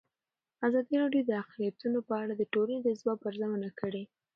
ازادي راډیو د اقلیتونه په اړه د ټولنې د ځواب ارزونه کړې.